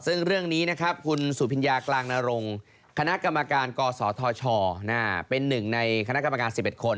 ซึ่งเรื่องนี้นะครับคุณสุพิญญากลางนรงคณะกรรมการกศธชเป็นหนึ่งในคณะกรรมการ๑๑คน